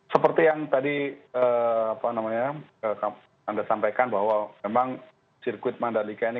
seperti yang tadi anda sampaikan bahwa memang sirkuit mandalika ini